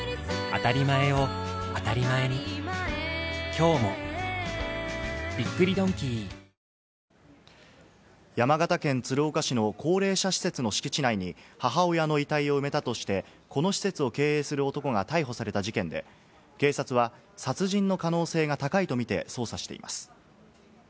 こうした状況などから警察は１７日以降に事件に山形県鶴岡市の高齢者施設の敷地内に母親の遺体を埋めたとして、この施設を経営する男が逮捕された事件で、警察は殺人の可能性が高いとみて捜査しています。